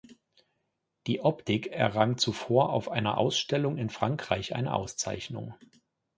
Die Optik errang zuvor auf einer Ausstellung in Frankreich eine Auszeichnung.